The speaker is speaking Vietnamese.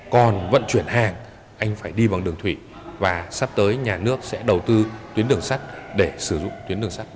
còn vận chuyển hàng anh phải đi bằng đường thủy và sắp tới nhà nước sẽ đầu tư tuyến đường sắt để sử dụng tuyến đường sắt